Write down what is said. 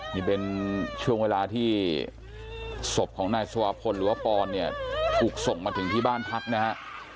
นี่เป็นช่วงเวลาที่ศพของนายสวาพลหรือว่าปอนเนี่ยถูกส่งมาถึงที่บ้านพักนะฮะ